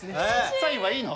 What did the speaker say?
サインはいいの？